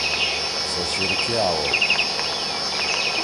سے شیِر کے آوؤ۔